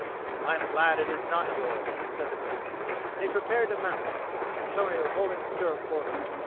"I am glad it is not yours," said the Prince, and he prepared to mount, Antonio holding the stirrup for him.